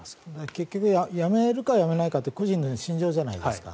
結局やめるかやめないかって個人の信条じゃないですか。